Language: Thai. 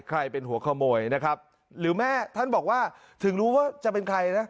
เป็นหัวขโมยนะครับหรือแม่ท่านบอกว่าถึงรู้ว่าจะเป็นใครนะ